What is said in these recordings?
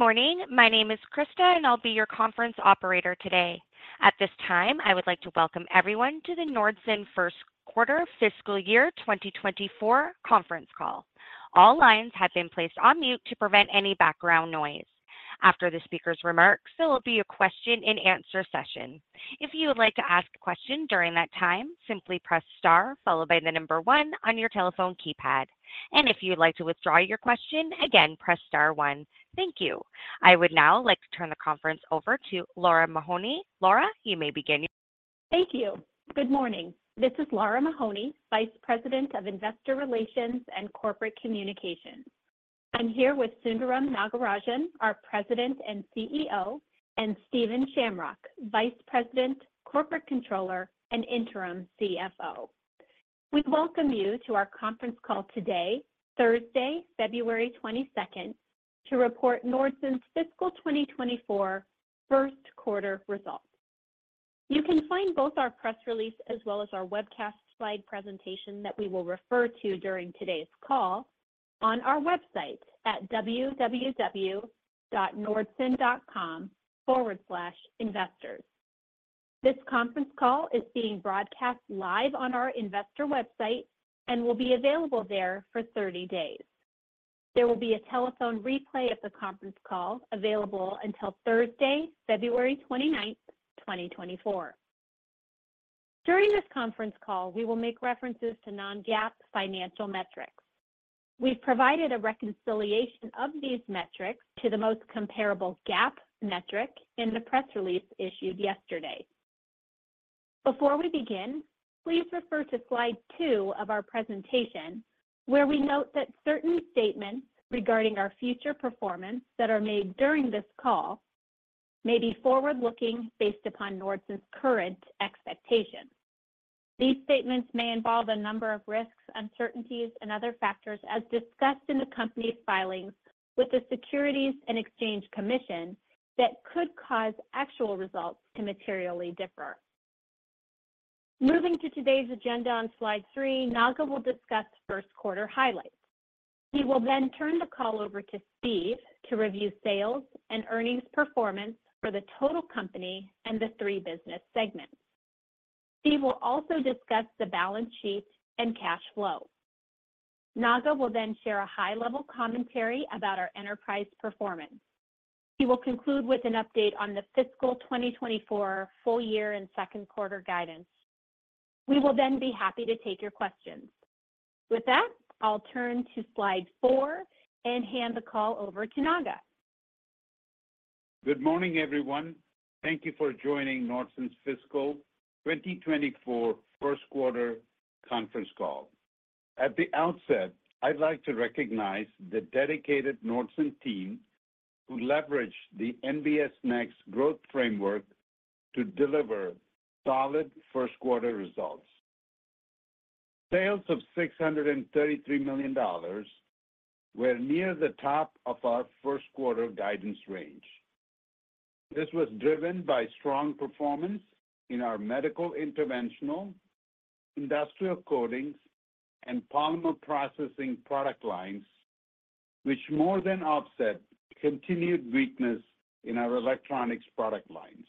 Good morning. My name is Krista, and I'll be your conference operator today. At this time, I would like to welcome everyone to the Nordson First Quarter Fiscal Year 2024 conference call. All lines have been placed on mute to prevent any background noise. After the speaker's remarks, there will be a question-and-answer session. If you would like to ask a question during that time, simply press star followed by the number one on your telephone keypad. If you'd like to withdraw your question, again, press star one. Thank you. I would now like to turn the conference over to Lara Mahoney. Lara, you may begin. Thank you. Good morning. This is Lara Mahoney, Vice President of Investor Relations and Corporate Communications. I'm here with Sundaram Nagarajan, our President and CEO, and Stephen Shamrock, Vice President, Corporate Controller, and Interim CFO. We welcome you to our conference call today, Thursday, February 22nd, to report Nordson's Fiscal 2024 First Quarter results. You can find both our press release as well as our webcast slide presentation that we will refer to during today's call on our website at www.nordson.com/investors. This conference call is being broadcast live on our investor website and will be available there for 30 days. There will be a telephone replay of the conference call available until Thursday, February 29th, 2024. During this conference call, we will make references to non-GAAP financial metrics. We've provided a reconciliation of these metrics to the most comparable GAAP metric in the press release issued yesterday. Before we begin, please refer to slide 2 of our presentation, where we note that certain statements regarding our future performance that are made during this call may be forward-looking based upon Nordson's current expectations. These statements may involve a number of risks, uncertainties, and other factors as discussed in the company's filings with the Securities and Exchange Commission that could cause actual results to materially differ. Moving to today's agenda on slide 3, Naga will discuss first quarter highlights. He will then turn the call over to Steve to review sales and earnings performance for the total company and the three business segments. Steve will also discuss the balance sheet and cash flow. Naga will then share a high-level commentary about our enterprise performance. He will conclude with an update on the Fiscal 2024 full year and second quarter guidance. We will then be happy to take your questions. With that, I'll turn to slide 4 and hand the call over to Naga. Good morning, everyone. Thank you for joining Nordson's Fiscal 2024 First Quarter conference call. At the outset, I'd like to recognize the dedicated Nordson team who leveraged the NBS Next growth framework to deliver solid first quarter results. Sales of $633 million were near the top of our first quarter guidance range. This was driven by strong performance in our Medical Interventional, Industrial Coatings, and Polymer Processing product lines, which more than offset continued weakness in our electronics product lines.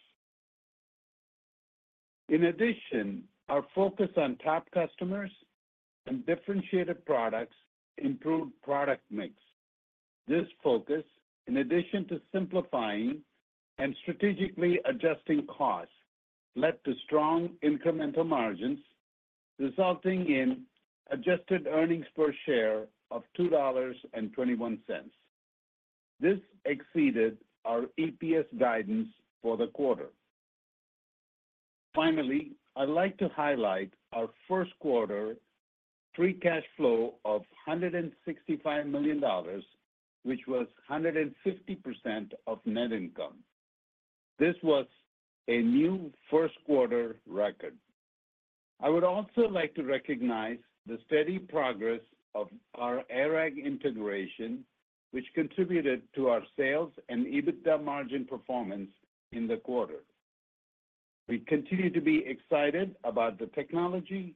In addition, our focus on top customers and differentiated products improved product mix. This focus, in addition to simplifying and strategically adjusting costs, led to strong incremental margins resulting in adjusted earnings per share of $2.21. This exceeded our EPS guidance for the quarter. Finally, I'd like to highlight our first quarter free cash flow of $165 million, which was 150% of net income. This was a new first quarter record. I would also like to recognize the steady progress of our ARAG integration, which contributed to our sales and EBITDA margin performance in the quarter. We continue to be excited about the technology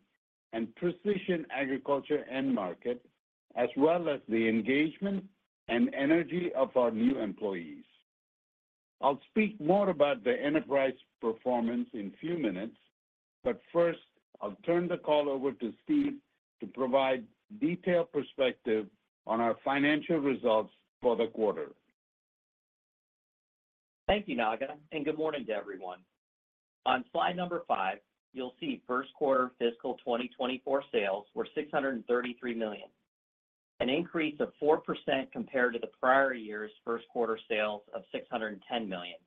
and precision agriculture end market as well as the engagement and energy of our new employees. I'll speak more about the enterprise performance in a few minutes, but first I'll turn the call over to Steve to provide detailed perspective on our financial results for the quarter. Thank you, Naga, and good morning to everyone. On slide number 5, you'll see first quarter Fiscal 2024 sales were $633 million, an increase of 4% compared to the prior year's first quarter sales of $610 million.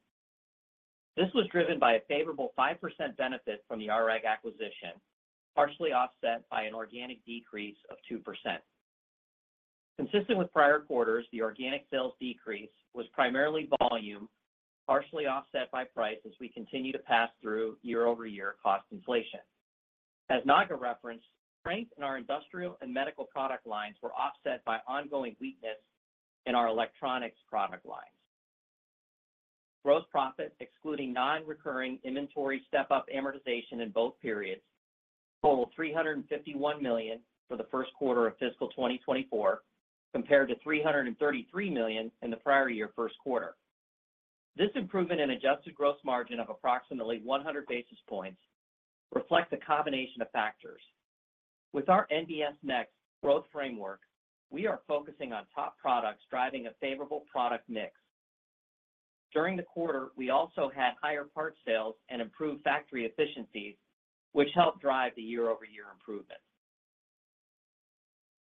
This was driven by a favorable 5% benefit from the ARAG acquisition, partially offset by an organic decrease of 2%. Consistent with prior quarters, the organic sales decrease was primarily volume, partially offset by price as we continue to pass through year-over-year cost inflation. As Naga referenced, strength in our industrial and medical product lines were offset by ongoing weakness in our electronics product lines. Gross profit, excluding non-recurring inventory step-up amortization in both periods, totaled $351 million for the first quarter of Fiscal 2024 compared to $333 million in the prior year first quarter. This improvement in adjusted gross margin of approximately 100 basis points reflects a combination of factors. With our NBS Next Growth Framework, we are focusing on top products driving a favorable product mix. During the quarter, we also had higher parts sales and improved factory efficiencies, which helped drive the year-over-year improvement.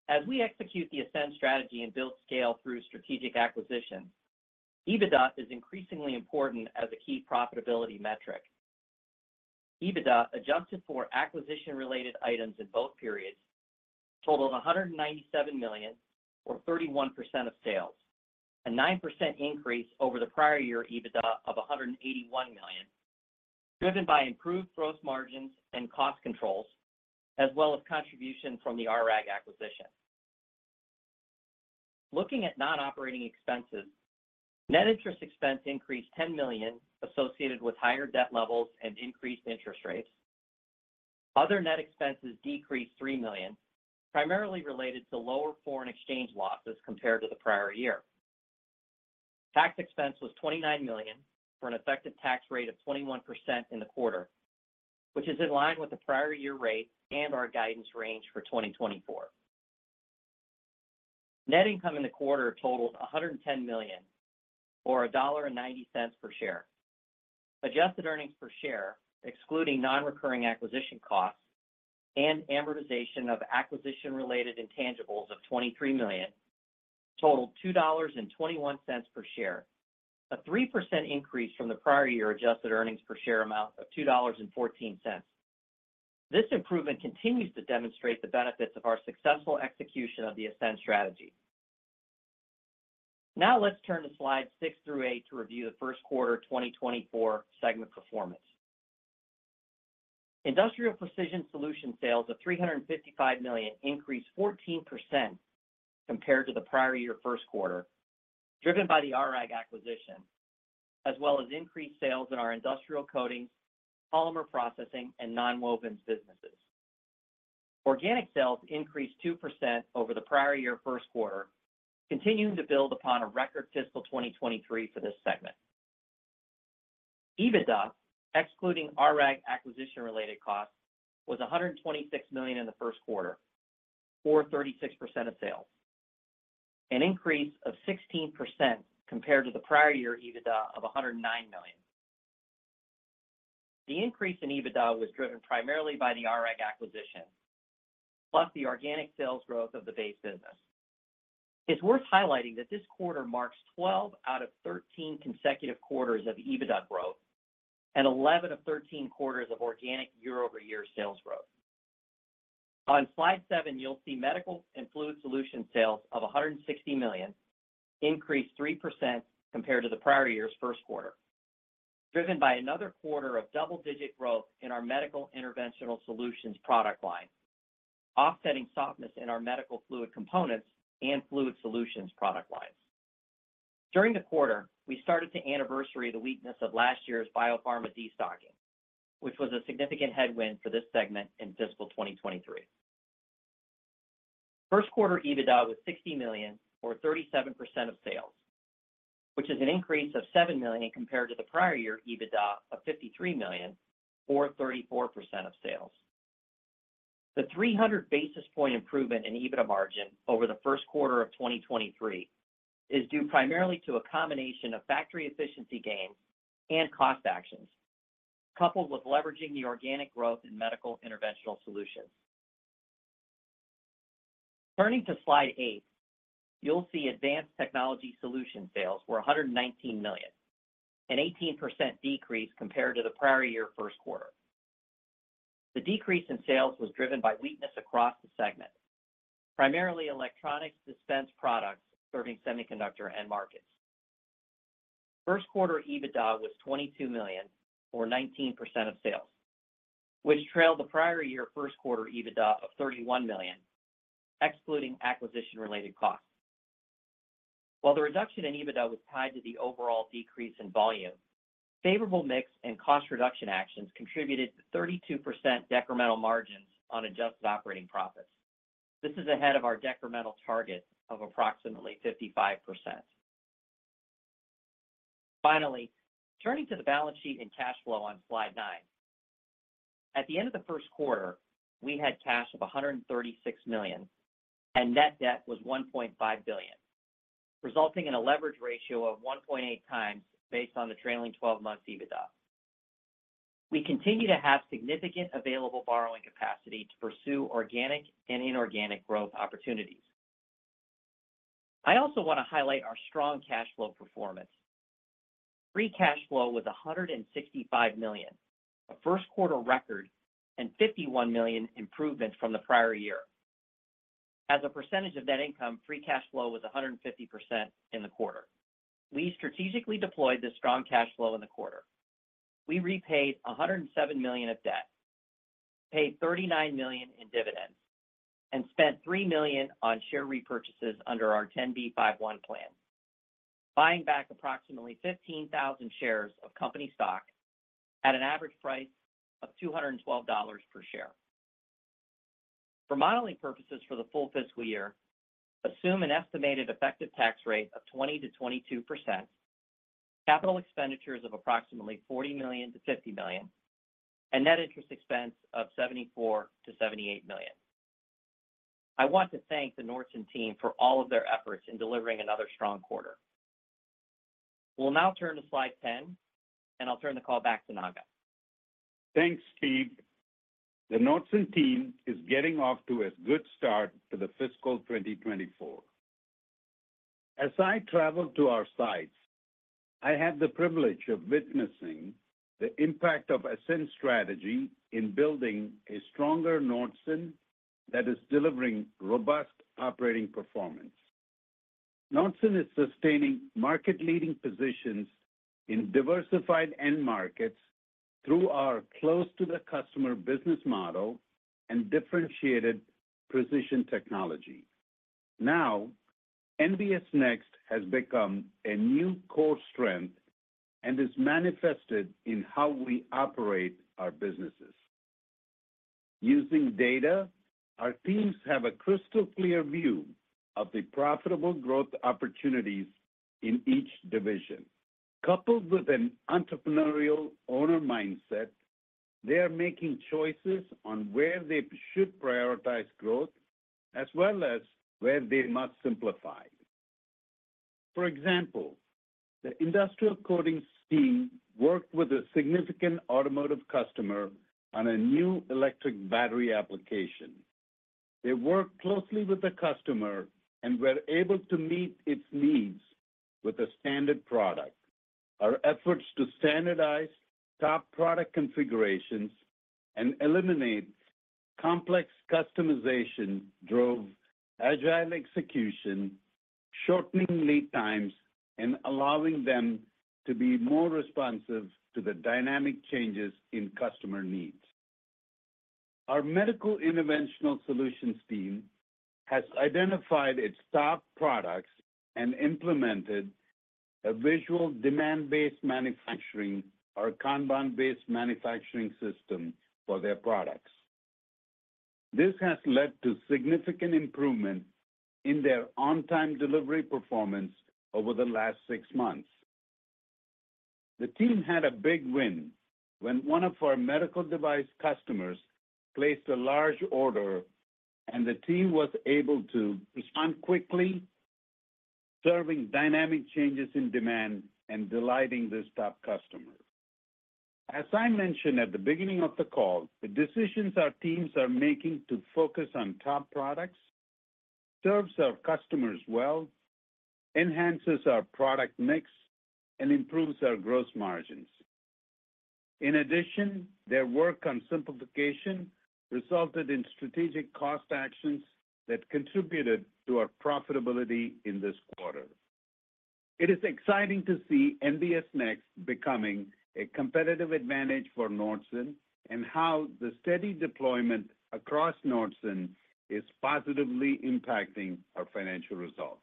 As we execute the Ascend Strategy and build scale through strategic acquisitions, EBITDA is increasingly important as a key profitability metric. EBITDA adjusted for acquisition-related items in both periods totaled $197 million, or 31% of sales, a 9% increase over the prior year EBITDA of $181 million, driven by improved gross margins and cost controls as well as contribution from the ARAG acquisition. Looking at non-operating expenses, net interest expense increased $10 million associated with higher debt levels and increased interest rates. Other net expenses decreased $3 million, primarily related to lower foreign exchange losses compared to the prior year. Tax expense was $29 million for an effective tax rate of 21% in the quarter, which is in line with the prior year rate and our guidance range for 2024. Net income in the quarter totaled $110 million, or $1.90 per share. Adjusted earnings per share, excluding non-recurring acquisition costs and amortization of acquisition-related intangibles of $23 million, totaled $2.21 per share, a 3% increase from the prior year adjusted earnings per share amount of $2.14. This improvement continues to demonstrate the benefits of our successful execution of the Ascend Strategy. Now let's turn to slides 6 through 8 to review the first quarter 2024 segment performance. Industrial Precision Solutions sales of $355 million increased 14% compared to the prior year first quarter, driven by the ARAG acquisition, as well as increased sales in our Industrial Coatings, Polymer Processing, and Nonwovens businesses. Organic sales increased 2% over the prior year first quarter, continuing to build upon a record Fiscal 2023 for this segment. EBITDA, excluding ARAG acquisition-related costs, was $126 million in the first quarter, or 36% of sales, an increase of 16% compared to the prior year EBITDA of $109 million. The increase in EBITDA was driven primarily by the ARAG acquisition, plus the organic sales growth of the base business. It's worth highlighting that this quarter marks 12 out of 13 consecutive quarters of EBITDA growth and 11 of 13 quarters of organic year-over-year sales growth. On slide 7, you'll see Medical and Fluid Solutions sales of $160 million increased 3% compared to the prior year's first quarter, driven by another quarter of double-digit growth in our Medical Interventional Solutions product lines, offsetting softness in our Medical Fluid Components and Fluid Solutions product lines. During the quarter, we started to anniversary the weakness of last year's biopharma destocking, which was a significant headwind for this segment in Fiscal 2023. First quarter EBITDA was $60 million, or 37% of sales, which is an increase of $7 million compared to the prior year EBITDA of $53 million, or 34% of sales. The 300 basis point improvement in EBITDA margin over the first quarter of 2023 is due primarily to a combination of factory efficiency gains and cost actions, coupled with leveraging the organic growth in Medical Interventional Solutions. Turning to slide 8, you'll see Advanced Technology Solutions sales were $119 million, an 18% decrease compared to the prior year first quarter. The decrease in sales was driven by weakness across the segment, primarily electronics dispense products serving semiconductor end markets. First quarter EBITDA was $22 million, or 19% of sales, which trailed the prior year first quarter EBITDA of $31 million, excluding acquisition-related costs. While the reduction in EBITDA was tied to the overall decrease in volume, favorable mix and cost reduction actions contributed to 32% decremental margins on adjusted operating profits. This is ahead of our decremental target of approximately 55%. Finally, turning to the balance sheet and cash flow on slide 9. At the end of the first quarter, we had cash of $136 million, and net debt was $1.5 billion, resulting in a leverage ratio of 1.8x based on the trailing 12 months EBITDA. We continue to have significant available borrowing capacity to pursue organic and inorganic growth opportunities. I also want to highlight our strong cash flow performance. Free cash flow was $165 million, a first quarter record, and $51 million improvement from the prior year. As a percentage of net income, free cash flow was 150% in the quarter. We strategically deployed this strong cash flow in the quarter. We repaid $107 million of debt, paid $39 million in dividends, and spent $3 million on share repurchases under our 10b5-1 plan, buying back approximately 15,000 shares of company stock at an average price of $212 per share. For modeling purposes for the full fiscal year, assume an estimated effective tax rate of 20%-22%, capital expenditures of approximately $40 million-$50 million, and net interest expense of $74 million-$78 million. I want to thank the Nordson team for all of their efforts in delivering another strong quarter. We'll now turn to slide 10, and I'll turn the call back to Naga. Thanks, Steve. The Nordson team is getting off to a good start to the Fiscal 2024. As I traveled to our sites, I had the privilege of witnessing the impact of Ascend Strategy in building a stronger Nordson that is delivering robust operating performance. Nordson is sustaining market-leading positions in diversified end markets through our close-to-the-customer business model and differentiated precision technology. Now, NBS Next has become a new core strength and is manifested in how we operate our businesses. Using data, our teams have a crystal-clear view of the profitable growth opportunities in each division. Coupled with an entrepreneurial owner mindset, they are making choices on where they should prioritize growth as well as where they must simplify. For example, the Industrial Coatings team worked with a significant automotive customer on a new electric battery application. They worked closely with the customer and were able to meet its needs with a standard product. Our efforts to standardize top product configurations and eliminate complex customization drove agile execution, shortening lead times, and allowing them to be more responsive to the dynamic changes in customer needs. Our Medical Interventional Solutions team has identified its top products and implemented a visual demand-based manufacturing or Kanban-based manufacturing system for their products. This has led to significant improvement in their on-time delivery performance over the last six months. The team had a big win when one of our medical device customers placed a large order, and the team was able to respond quickly, serving dynamic changes in demand and delighting this top customer. As I mentioned at the beginning of the call, the decisions our teams are making to focus on top products serves our customers well, enhances our product mix, and improves our gross margins. In addition, their work on simplification resulted in strategic cost actions that contributed to our profitability in this quarter. It is exciting to see NBS Next becoming a competitive advantage for Nordson and how the steady deployment across Nordson is positively impacting our financial results.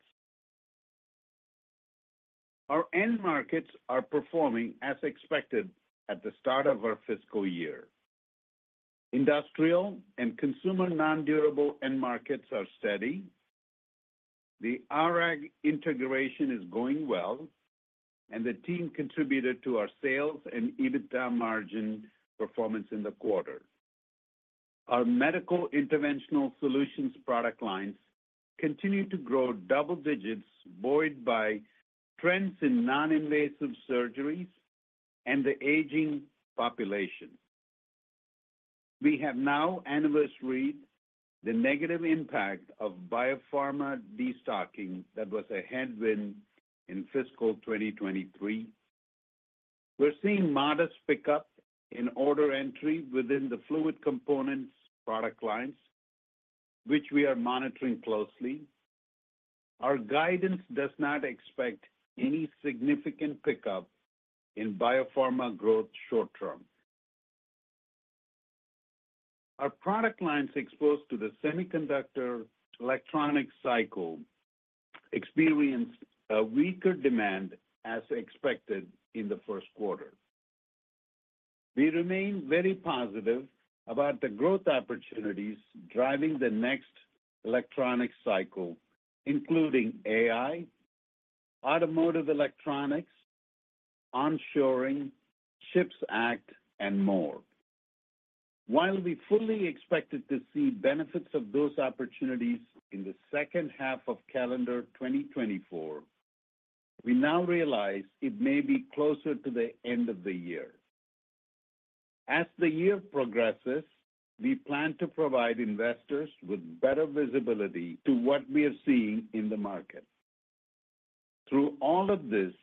Our end markets are performing as expected at the start of our fiscal year. Industrial and consumer non-durable end markets are steady. The ARAG integration is going well, and the team contributed to our sales and EBITDA margin performance in the quarter. Our Medical Interventional Solutions product lines continue to grow double digits buoyed by trends in non-invasive surgeries and the aging population. We have now anniversaried the negative impact of biopharma destocking that was a headwind in Fiscal 2023. We're seeing modest pickup in order entry within the fluid components product lines, which we are monitoring closely. Our guidance does not expect any significant pickup in biopharma growth short term. Our product lines exposed to the semiconductor electronics cycle experienced a weaker demand as expected in the first quarter. We remain very positive about the growth opportunities driving the next electronics cycle, including AI, automotive electronics, onshoring, CHIPS Act, and more. While we fully expected to see benefits of those opportunities in the second half of calendar 2024, we now realize it may be closer to the end of the year. As the year progresses, we plan to provide investors with better visibility to what we are seeing in the market. Through all of this,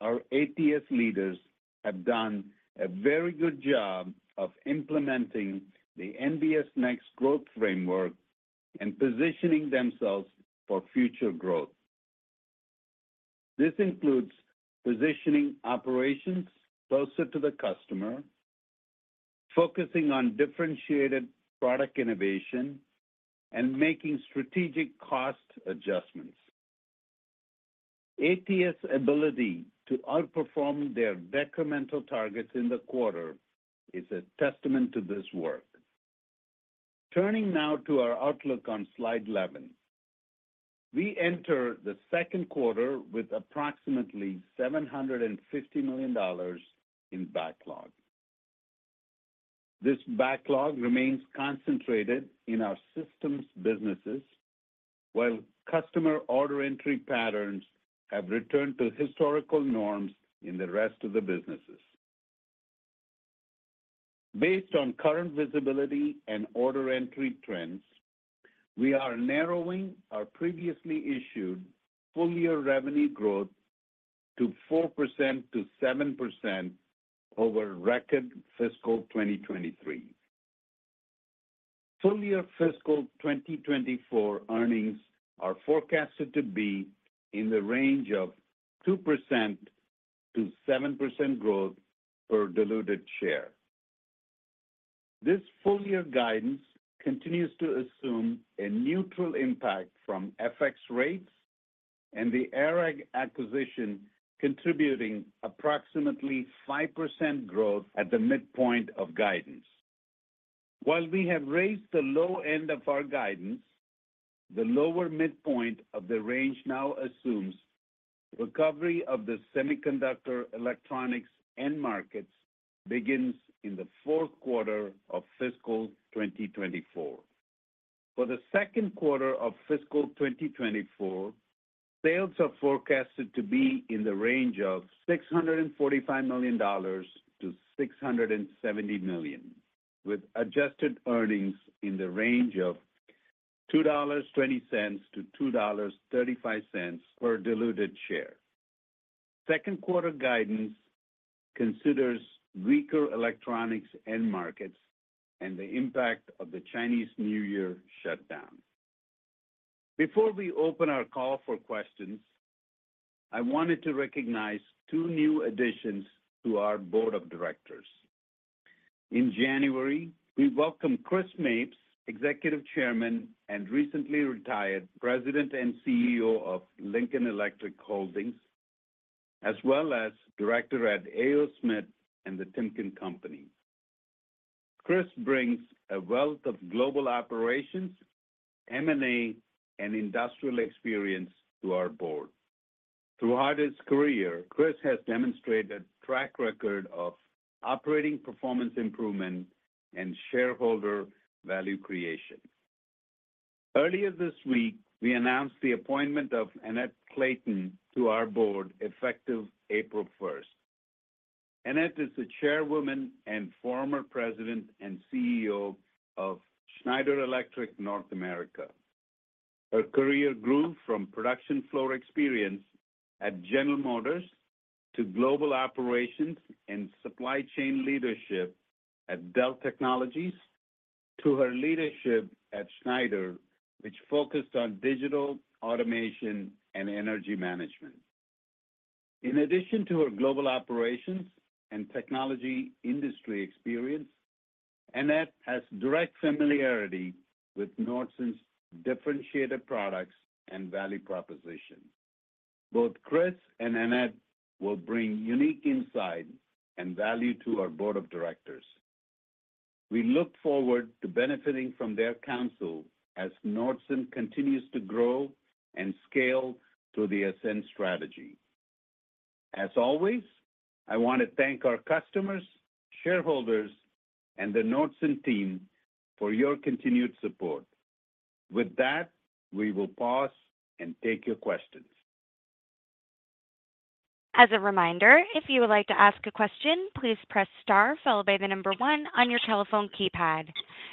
our ATS leaders have done a very good job of implementing the NBS Next growth framework and positioning themselves for future growth. This includes positioning operations closer to the customer, focusing on differentiated product innovation, and making strategic cost adjustments. ATS' ability to outperform their decremental targets in the quarter is a testament to this work. Turning now to our outlook on slide 11. We enter the second quarter with approximately $750 million in backlog. This backlog remains concentrated in our systems businesses, while customer order entry patterns have returned to historical norms in the rest of the businesses. Based on current visibility and order entry trends, we are narrowing our previously issued full-year revenue growth to 4%-7% over record Fiscal 2023. Full-year Fiscal 2024 earnings are forecasted to be in the range of 2%-7% growth per diluted share. This full-year guidance continues to assume a neutral impact from FX rates and the ARAG acquisition contributing approximately 5% growth at the midpoint of guidance. While we have raised the low end of our guidance, the lower midpoint of the range now assumes recovery of the semiconductor electronics end markets begins in the fourth quarter of Fiscal 2024. For the second quarter of Fiscal 2024, sales are forecasted to be in the range of $645 million-$670 million, with adjusted earnings in the range of $2.20-$2.35 per diluted share. Second quarter guidance considers weaker electronics end markets and the impact of the Chinese New Year shutdown. Before we open our call for questions, I wanted to recognize two new additions to our board of directors. In January, we welcomed Chris Mapes, Executive Chairman and recently retired President and CEO of Lincoln Electric Holdings, as well as Director at A.O. Smith and The Timken Company. Chris brings a wealth of global operations, M&A, and industrial experience to our board. Throughout his career, Chris has demonstrated a track record of operating performance improvement and shareholder value creation. Earlier this week, we announced the appointment of Annette Clayton to our Board, effective April 1st. Annette is the Chairwoman and former President and CEO of Schneider Electric North America. Her career grew from production floor experience at General Motors to global operations and supply chain leadership at Dell Technologies to her leadership at Schneider, which focused on digital automation and energy management. In addition to her global operations and technology industry experience, Annette has direct familiarity with Nordson's differentiated products and value propositions. Both Chris and Annette will bring unique insight and value to our board of directors. We look forward to benefiting from their counsel as Nordson continues to grow and scale through the Ascend Strategy. As always, I want to thank our customers, shareholders, and the Nordson team for your continued support. With that, we will pause and take your questions. As a reminder, if you would like to ask a question, please press star followed by the number one on your telephone keypad.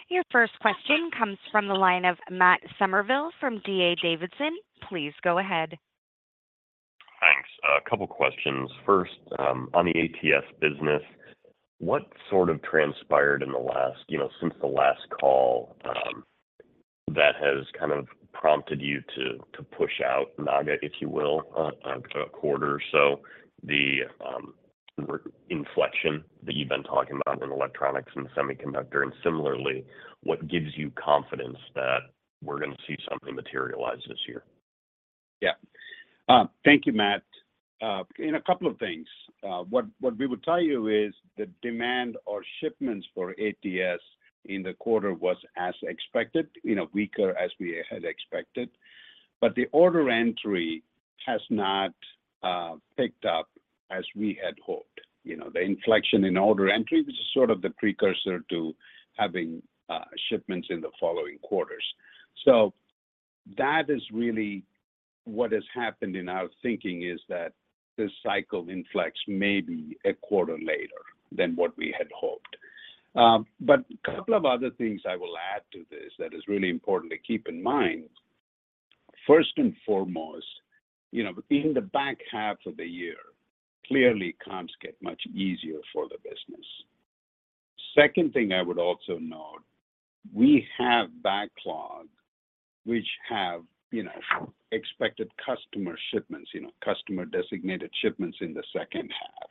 Your first question comes from the line of Matt Summerville from D.A. Davidson. Please go ahead. Thanks. A couple of questions. First, on the ATS business, what sort of transpired in the last since the last call that has kind of prompted you to push out, Naga, if you will, a quarter or so? The inflection that you've been talking about in electronics and semiconductor, and similarly, what gives you confidence that we're going to see something materialize this year? Yeah. Thank you, Matt. In a couple of things. What we would tell you is the demand or shipments for ATS in the quarter was as expected, weaker as we had expected. The order entry has not picked up as we had hoped. The inflection in order entry, which is sort of the precursor to having shipments in the following quarters. That is really what has happened in our thinking, is that this cycle inflects maybe a quarter later than what we had hoped. A couple of other things I will add to this that is really important to keep in mind. First and foremost, in the back half of the year, clearly, comps get much easier for the business. Second thing I would also note, we have backlog which have expected customer shipments, customer-designated shipments in the second half.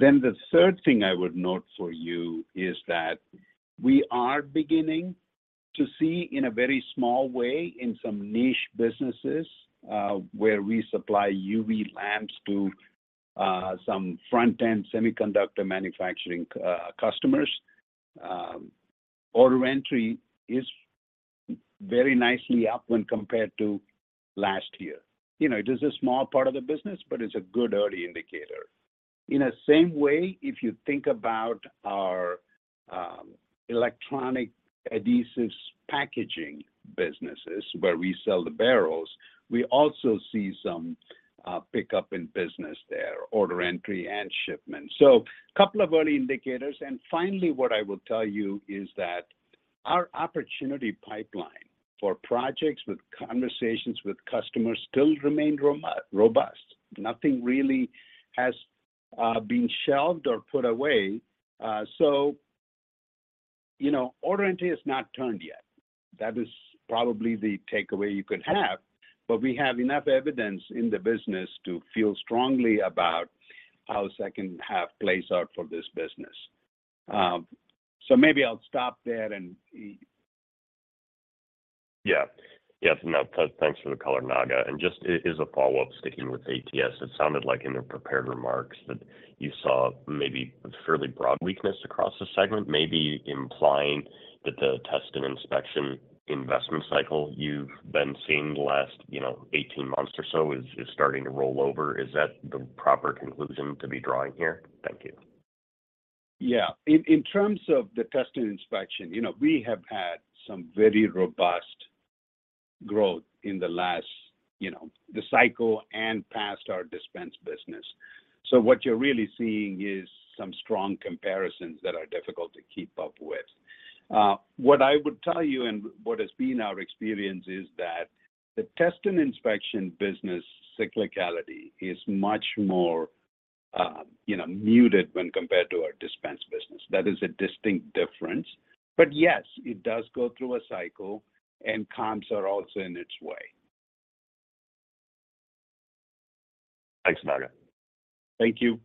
Then the third thing I would note for you is that we are beginning to see, in a very small way, in some niche businesses where we supply UV lamps to some front-end semiconductor manufacturing customers, order entry is very nicely up when compared to last year. It is a small part of the business, but it's a good early indicator. In the same way, if you think about our electronic adhesives packaging businesses where we sell the barrels, we also see some pickup in business there, order entry and shipment. A couple of early indicators. Finally, what I will tell you is that our opportunity pipeline for projects with conversations with customers still remains robust. Nothing really has been shelved or put away. So order entry has not turned yet. That is probably the takeaway you could have. We have enough evidence in the business to feel strongly about how second half plays out for this business. Maybe I'll stop there and. Yeah. Yes. No. Thanks for the call, Naga. Just as a follow-up, sticking with ATS, it sounded like in your prepared remarks that you saw maybe a fairly broad weakness across the segment, maybe implying that the test and inspection investment cycle you've been seeing the last 18 months or so is starting to roll over. Is that the proper conclusion to be drawing here? Thank you. Yeah. In terms of the test and inspection, we have had some very robust growth in the last cycle and past our dispense business. What you're really seeing is some strong comparisons that are difficult to keep up with. What I would tell you and what has been our experience is that the test and inspection business cyclicality is much more muted when compared to our dispense business. That is a distinct difference. Yes, it does go through a cycle, and comps are also in its way. Thanks, Naga. Thank you.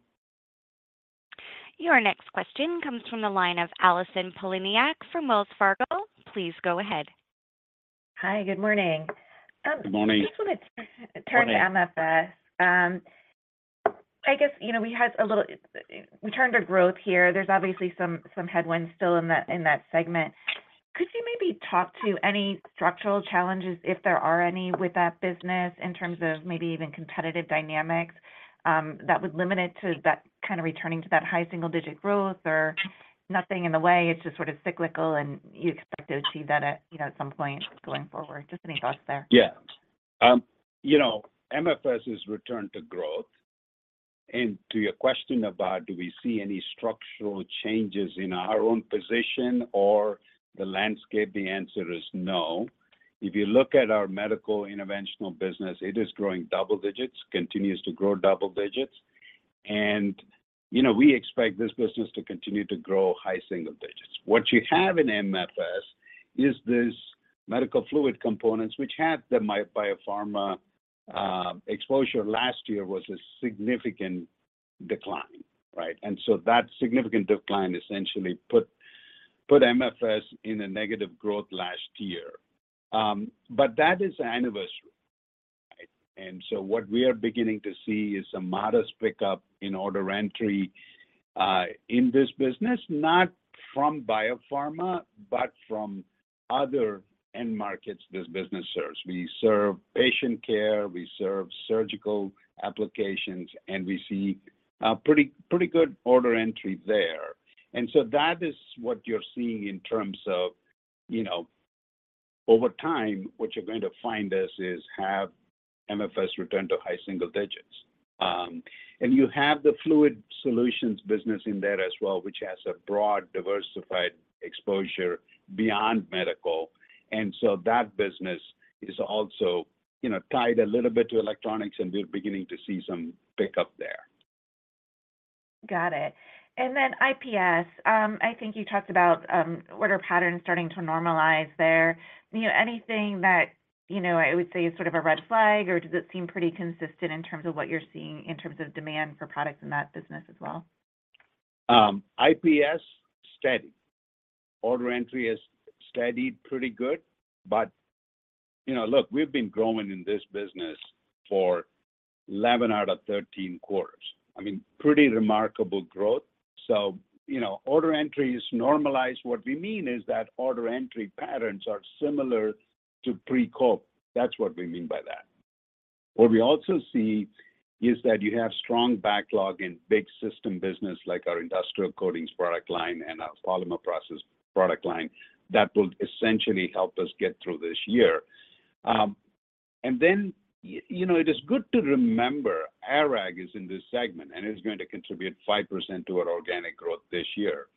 Your next question comes from the line of Allison Poliniak from Wells Fargo. Please go ahead. Hi. Good morning. Good morning. I just want to turn to MFS. I guess we had a little turn to growth here. There's obviously some headwinds still in that segment. Could you maybe talk to any structural challenges, if there are any, with that business in terms of maybe even competitive dynamics that would limit it to that kind of returning to that high single-digit growth or nothing in the way? It's just sort of cyclical, and you expect to achieve that at some point going forward. Just any thoughts there? Yeah. MFS has returned to growth. To your question about do we see any structural changes in our own position or the landscape, the answer is no. If you look at our Medical Interventional business, it is growing double digits, continues to grow double digits. We expect this business to continue to grow high-single digits. What you have in MFS is these Medical Fluid Components, which had the biopharma exposure last year, was a significant decline, right? That significant decline essentially put MFS in a negative growth last year. That is an anniversary, right? What we are beginning to see is a modest pickup in order entry in this business, not from biopharma but from other end markets this business serves. We serve patient care, we serve surgical applications, and we see pretty good order entry there. That is what you're seeing in terms of over time, what you're going to find is have MFS return to high single digits. You have the fluid solutions business in there as well, which has a broad, diversified exposure beyond medical. That business is also tied a little bit to electronics, and we're beginning to see some pickup there. Got it. Then IPS, I think you talked about order patterns starting to normalize there. Anything that I would say is sort of a red flag, or does it seem pretty consistent in terms of what you're seeing in terms of demand for products in that business as well? IPS, steady. Order entry is steady, pretty good. Look, we've been growing in this business for 11 out of 13 quarters. I mean, pretty remarkable growth. Order entry is normalized. What we mean is that order entry patterns are similar to pre-COVID. That's what we mean by that. What we also see is that you have strong backlog in big system business like our Industrial Coatings product line and our Polymer Processing product line that will essentially help us get through this year. Then it is good to remember ARAG is in this segment, and it's going to contribute 5% to our organic growth this year.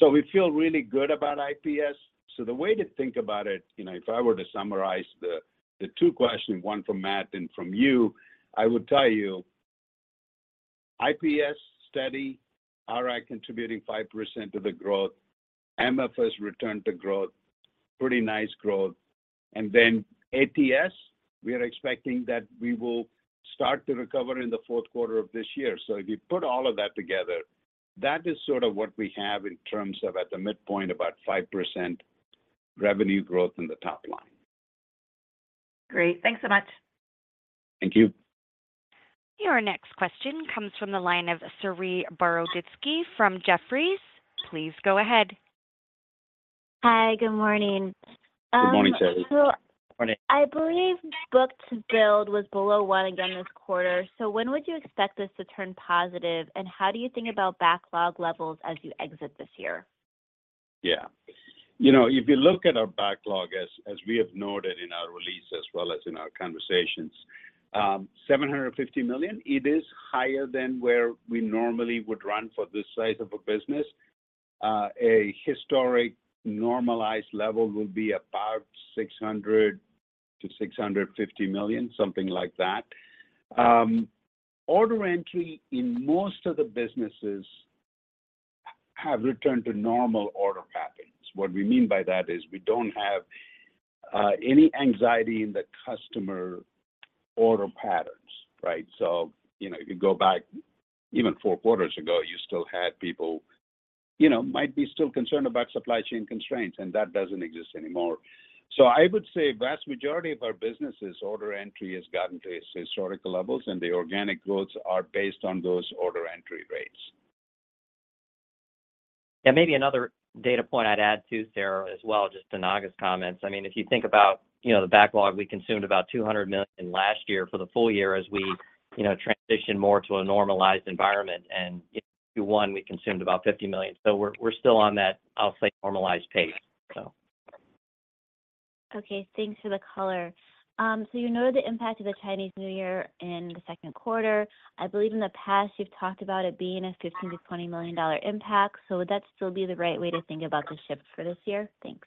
We feel really good about IPS. The way to think about it, if I were to summarize the two questions, one from Matt and from you, I would tell you IPS, steady, ARAG contributing 5% to the growth, MFS return to growth, pretty nice growth. Then ATS, we are expecting that we will start to recover in the fourth quarter of this year. If you put all of that together, that is sort of what we have in terms of at the midpoint, about 5% revenue growth in the top line. Great. Thanks so much. Thank you. Your next question comes from the line of Saree Boroditsky from Jefferies. Please go ahead. Hi. Good morning. Good morning, Saree. Good morning. I believe book-to-bill was below one again this quarter. When would you expect this to turn positive, and how do you think about backlog levels as you exit this year? Yeah. If you look at our backlog, as we have noted in our release as well as in our conversations, $750 million, it is higher than where we normally would run for this size of a business. A historic normalized level will be about $600 million-$650 million, something like that. Order entry in most of the businesses have returned to normal order patterns. What we mean by that is we don't have any anxiety in the customer order patterns, right? If you go back even four quarters ago, you still had people might be still concerned about supply chain constraints, and that doesn't exist anymore. So I would say vast majority of our businesses, order entry has gotten to its historical levels, and the organic growths are based on those order entry rates. Yeah. Maybe another data point I'd add too, Saree, as well, just to Naga's comments. I mean, if you think about the backlog, we consumed about $200 million last year for the full year as we transitioned more to a normalized environment. Q1, we consumed about $50 million. We're still on that, I'll say, normalized pace, so. Okay. Thanks for the color. You noted the impact of the Chinese New Year in the second quarter. I believe in the past, you've talked about it being a $15 million-$20 million impact. Would that still be the right way to think about the shift for this year? Thanks.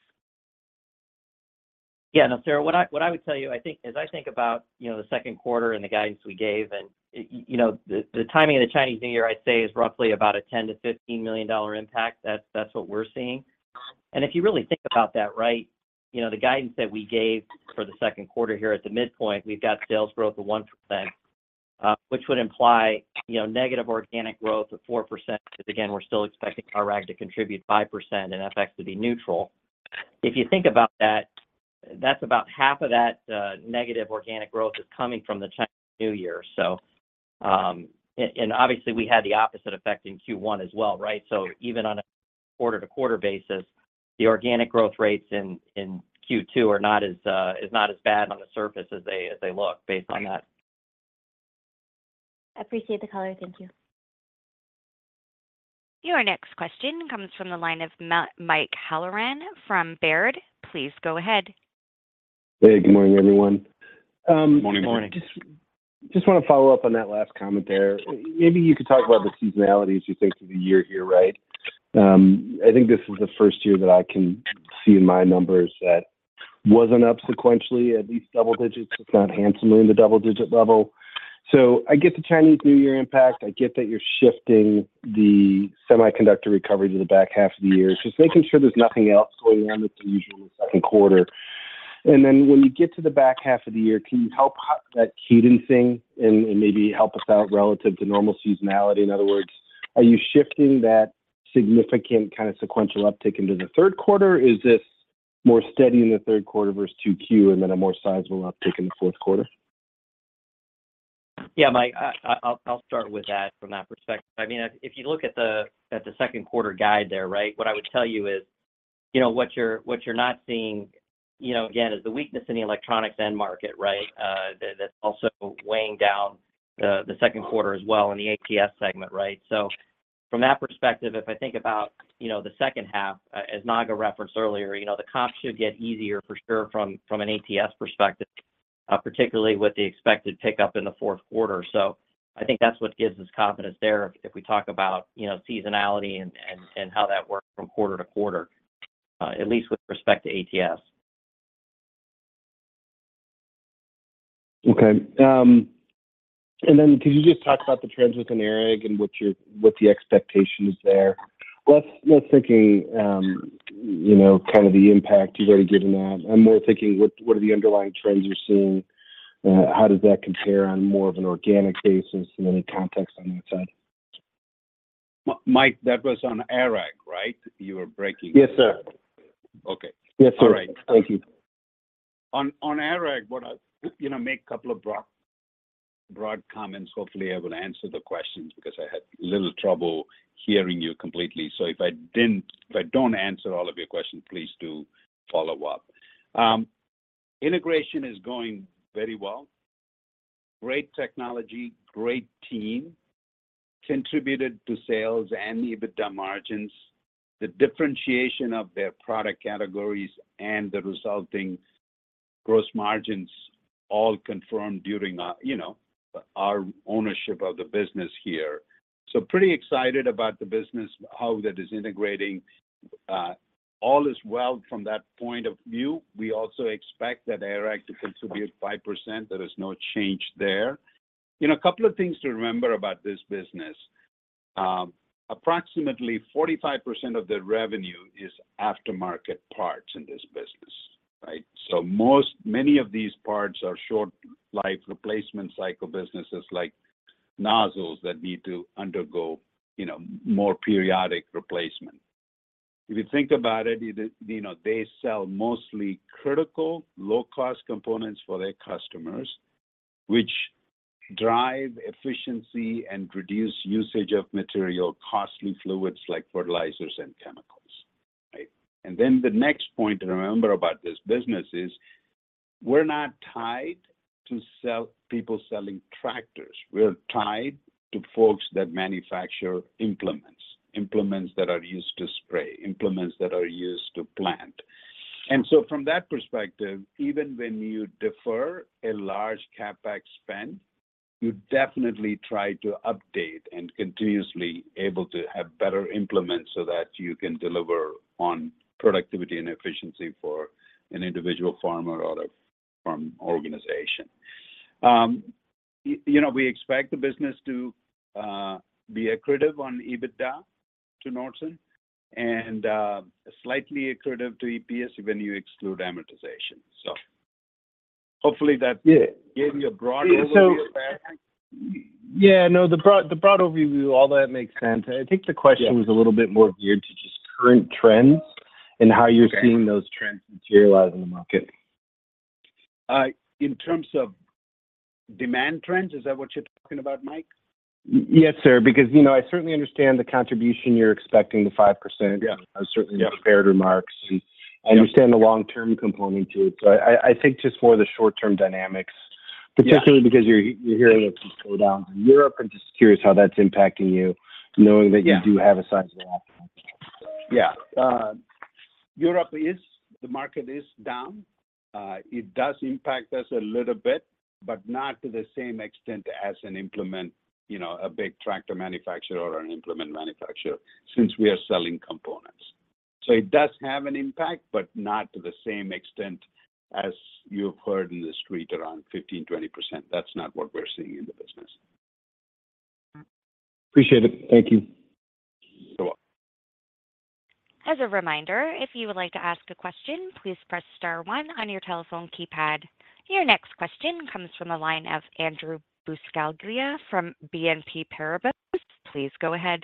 Yeah. No, Saree, what I would tell you, I think about the second quarter and the guidance we gave, and the timing of the Chinese New Year, I'd say, is roughly about a $10 million-$15 million impact. That's what we're seeing. If you really think about that right, the guidance that we gave for the second quarter here at the midpoint, we've got sales growth of 1%, which would imply negative organic growth of 4% because, again, we're still expecting ARAG to contribute 5% and FX to be neutral. If you think about that, that's about half of that negative organic growth is coming from the Chinese New Year, so. Obviously, we had the opposite effect in Q1 as well, right? Even on a quarter-to-quarter basis, the organic growth rates in Q2 are not as bad on the surface as they look based on that. I appreciate the color. Thank you. Your next question comes from the line of Mike Halloran from Baird. Please go ahead. Hey. Good morning, everyone. Good morning. Good morning. Just want to follow up on that last comment there. Maybe you could talk about the seasonalities you think of the year here, right? I think this is the first year that I can see in my numbers that wasn't up sequentially, at least double digits, if not handsomely in the double-digit level. I get the Chinese New Year impact. I get that you're shifting the semiconductor recovery to the back half of the year, just making sure there's nothing else going on that's unusual in the second quarter. Then when you get to the back half of the year, can you help that cadence thing and maybe help us out relative to normal seasonality? In other words, are you shifting that significant kind of sequential uptick into the third quarter, or is this more steady in the third quarter versus 2Q and then a more sizable uptick in the fourth quarter? Yeah, Mike. I'll start with that from that perspective. I mean, if you look at the second quarter guide there, right, what I would tell you is what you're not seeing, again, is the weakness in the electronics end market, right, that's also weighing down the second quarter as well in the ATS segment, right? From that perspective, if I think about the second half, as Naga referenced earlier, the comps should get easier for sure from an ATS perspective, particularly with the expected pickup in the fourth quarter. I think that's what gives us confidence there if we talk about seasonality and how that works from quarter to quarter, at least with respect to ATS. Okay. Then could you just talk about the trends within ARAG and what the expectation is there? Well, that's thinking kind of the impact you've already given that. I'm more thinking what are the underlying trends you're seeing? How does that compare on more of an organic basis and any context on that side? Mike, that was on ARAG, right? You were breaking. Yes, sir. Okay. Yes, sir. All right. Thank you. On ARAG, I'll make a couple of broad comments. Hopefully, I will answer the questions because I had little trouble hearing you completely. If I don't answer all of your questions, please do follow up. Integration is going very well. Great technology, great team, contributed to sales and the EBITDA margins. The differentiation of their product categories and the resulting gross margins all confirmed during our ownership of the business here. Pretty excited about the business, how that is integrating. All is well from that point of view. We also expect that ARAG to contribute 5%. There is no change there. A couple of things to remember about this business. Approximately 45% of the revenue is aftermarket parts in this business, right? Many of these parts are short-life replacement cycle businesses like nozzles that need to undergo more periodic replacement. If you think about it, they sell mostly critical, low-cost components for their customers, which drive efficiency and reduce usage of material, costly fluids like fertilizers and chemicals, right? Then the next point to remember about this business is we're not tied to people selling tractors. We're tied to folks that manufacture implements, implements that are used to spray, implements that are used to plant. From that perspective, even when you defer a large CapEx spend, you definitely try to update and continuously be able to have better implements so that you can deliver on productivity and efficiency for an individual farmer or a farm organization. We expect the business to be accretive on EBITDA to Nordson and slightly accretive to EPS when you exclude amortization, so. Hopefully, that gave you a broad overview. Yeah. No, the broad overview, all that makes sense. I think the question was a little bit more geared to just current trends and how you're seeing those trends materialize in the market? In terms of demand trends, is that what you're talking about, Mike? Yes, sir, because I certainly understand the contribution you're expecting, the 5%. I certainly know the prepared remarks, and I understand the long-term component to it. I think just more the short-term dynamics, particularly because you're hearing of some slowdowns in Europe, and just curious how that's impacting you, knowing that you do have a sizable offer. Yeah. The market is down. It does impact us a little bit, but not to the same extent as an implement, a big tractor manufacturer, or an implement manufacturer since we are selling components. It does have an impact, but not to the same extent as you've heard in the street around 15%-20%. That's not what we're seeing in the business. Appreciate it. Thank you. You're welcome. As a reminder, if you would like to ask a question, please press star one on your telephone keypad. Your next question comes from the line of Andrew Buscaglia from BNP Paribas. Please go ahead.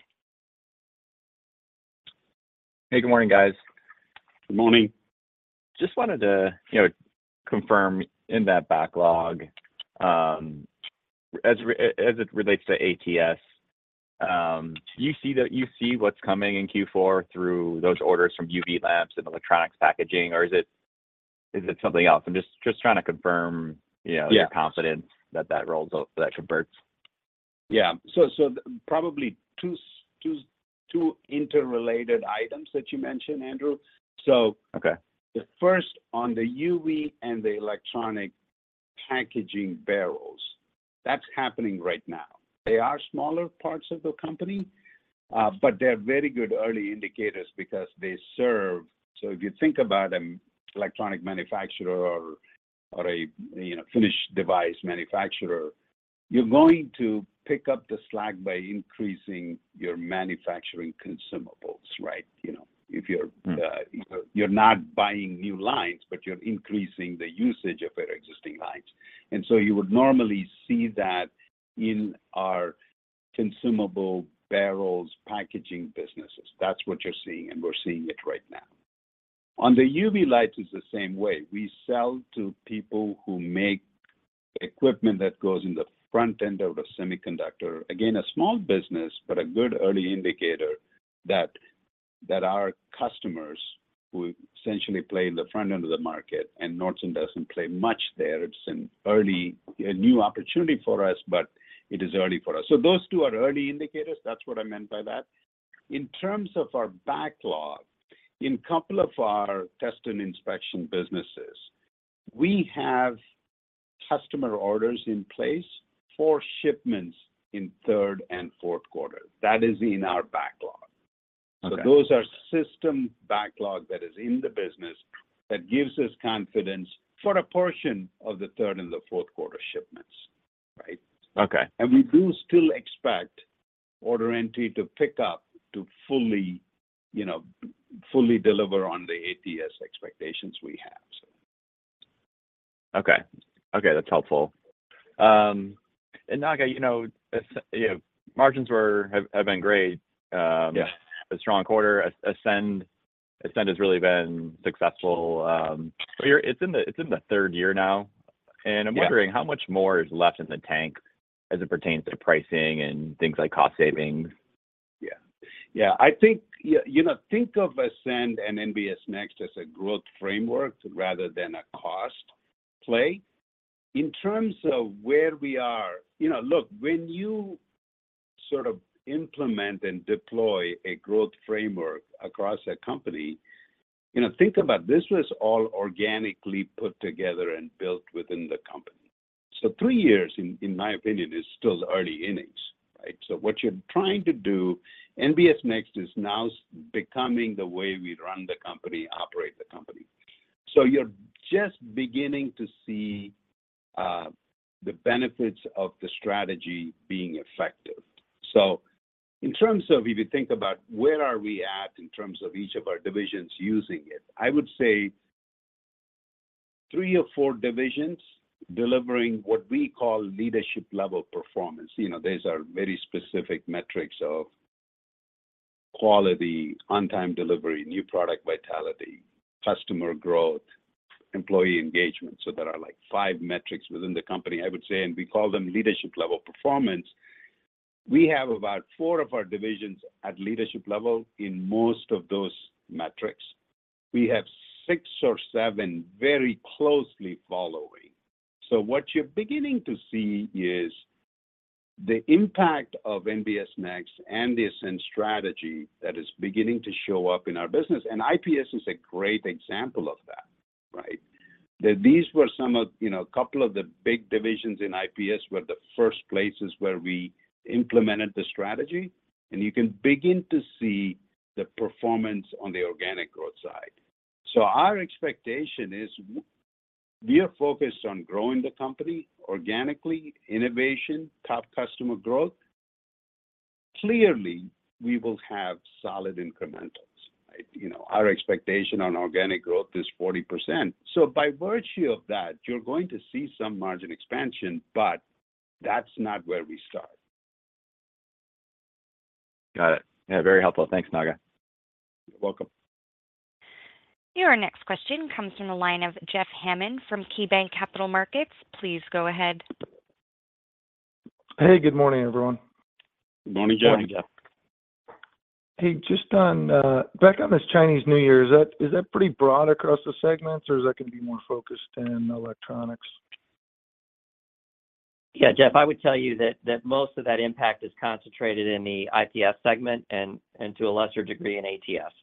Hey. Good morning, guys. Good morning. Just wanted to confirm in that backlog, as it relates to ATS, do you see what's coming in Q4 through those orders from UV lamps and electronics packaging, or is it something else? I'm just trying to confirm your confidence that that converts? Yeah. Probably two interrelated items that you mentioned, Andrew. First, on the UV and the electronic packaging barrels, that's happening right now. They are smaller parts of the company, but they're very good early indicators because they serve. If you think about an electronic manufacturer or a finished device manufacturer, you're going to pick up the slack by increasing your manufacturing consumables, right? You're not buying new lines, but you're increasing the usage of your existing lines. You would normally see that in our consumable barrels packaging businesses. That's what you're seeing, and we're seeing it right now. On the UV lights, it's the same way. We sell to people who make equipment that goes in the front end of a semiconductor. Again, a small business, but a good early indicator that our customers, who essentially play in the front end of the market, and Nordson doesn't play much there. It's a new opportunity for us, but it is early for us. Those two are early indicators. That's what I meant by that. In terms of our backlog, in a couple of our test and inspection businesses, we have customer orders in place for shipments in third and fourth quarter. That is in our backlog. Those are system backlog that is in the business that gives us confidence for a portion of the third and the fourth quarter shipments, right? We do still expect order entry to pick up to fully deliver on the ATS expectations we have, so. Okay. Okay. That's helpful. Naga, margins have been great. It's a strong quarter. Ascend has really been successful. It's in the third year now. I'm wondering how much more is left in the tank as it pertains to pricing and things like cost savings? Yeah. Yeah. I think of Ascend and NBS Next as a growth framework rather than a cost play. In terms of where we are, look, when you sort of implement and deploy a growth framework across a company, think about this was all organically put together and built within the company. Three years, in my opinion, is still the early innings, right? What you're trying to do, NBS Next is now becoming the way we run the company, operate the company. You're just beginning to see the benefits of the strategy being effective. In terms of if you think about where are we at in terms of each of our divisions using it, I would say three or four divisions delivering what we call leadership-level performance. These are very specific metrics of quality, on-time delivery, new product vitality, customer growth, employee engagement. There are like five metrics within the company, I would say, and we call them leadership-level performance. We have about four of our divisions at leadership level in most of those metrics. We have six or seven very closely following. What you're beginning to see is the impact of NBS Next and the Ascend Strategy that is beginning to show up in our business. IPS is a great example of that, right? These were some of a couple of the big divisions in IPS were the first places where we implemented the strategy. You can begin to see the performance on the organic growth side. Our expectation is we are focused on growing the company organically, innovation, top customer growth. Clearly, we will have solid incrementals, right? Our expectation on organic growth is 40%. By virtue of that, you're going to see some margin expansion, but that's not where we start. Got it. Yeah. Very helpful. Thanks, Naga. You're welcome. Your next question comes from the line of Jeff Hammond from KeyBanc Capital Markets. Please go ahead. Hey. Good morning, everyone. Good morning, Jeff. Hey. Back on this Chinese New Year, is that pretty broad across the segments, or is that going to be more focused in electronics? Yeah, Jeff. I would tell you that most of that impact is concentrated in the IPS segment and to a lesser degree in ATS.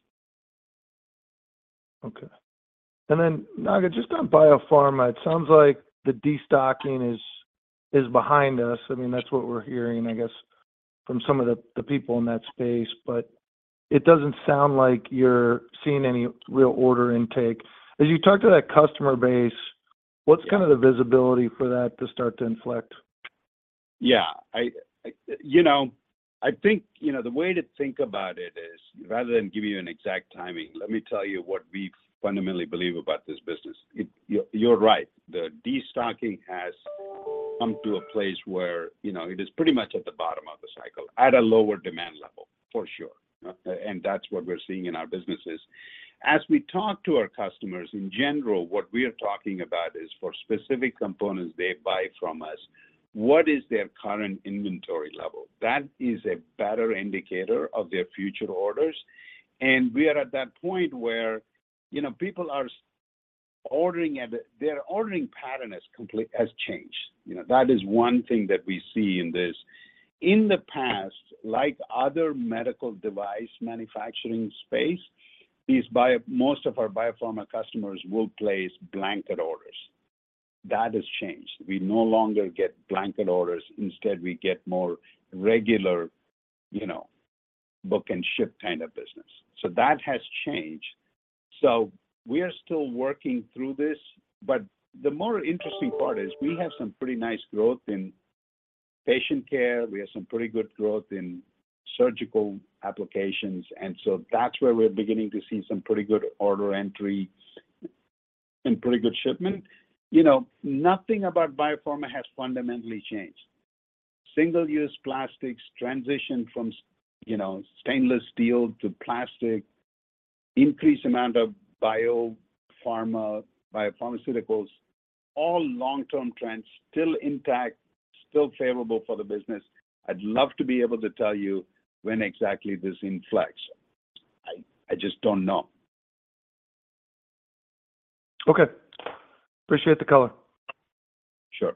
Okay. Then, Naga, just on biopharma, it sounds like the destocking is behind us. I mean, that's what we're hearing, I guess, from some of the people in that space. It doesn't sound like you're seeing any real order intake. As you talk to that customer base, what's kind of the visibility for that to start to inflect? Yeah. I think the way to think about it is rather than give you an exact timing, let me tell you what we fundamentally believe about this business. You're right. The destocking has come to a place where it is pretty much at the bottom of the cycle at a lower demand level, for sure. That's what we're seeing in our businesses. As we talk to our customers, in general, what we're talking about is for specific components they buy from us, what is their current inventory level? That is a better indicator of their future orders. We are at that point where people are ordering. Their ordering pattern has changed. That is one thing that we see in this. In the past, like other medical device manufacturing space, most of our biopharma customers will place blanket orders. That has changed. We no longer get blanket orders. Instead, we get more regular book-and-ship kind of business. That has changed. We are still working through this. The more interesting part is we have some pretty nice growth in patient care. We have some pretty good growth in surgical applications. That's where we're beginning to see some pretty good order entry and pretty good shipment. Nothing about biopharma has fundamentally changed. Single-use plastics transitioned from stainless steel to plastic, increased amount of biopharmaceuticals, all long-term trends, still intact, still favorable for the business. I'd love to be able to tell you when exactly this inflects. I just don't know. Okay. Appreciate the color. Sure.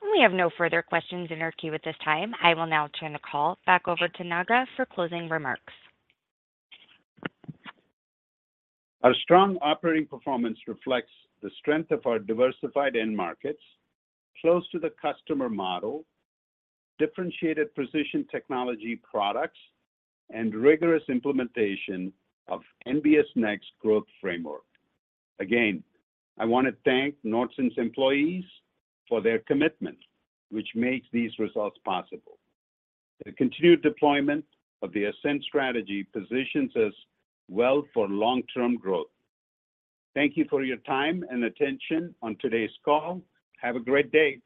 We have no further questions in our queue at this time. I will now turn the call back over to Naga for closing remarks. Our strong operating performance reflects the strength of our diversified end markets, close to the customer model, differentiated precision technology products, and rigorous implementation of NBS Next growth framework. Again, I want to thank Nordson's employees for their commitment, which makes these results possible. The continued deployment of the Ascend Strategy positions us well for long-term growth. Thank you for your time and attention on today's call. Have a great day.